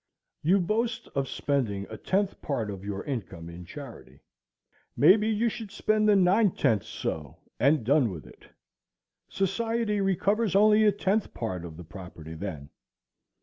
You boast of spending a tenth part of your income in charity; maybe you should spend the nine tenths so, and done with it. Society recovers only a tenth part of the property then.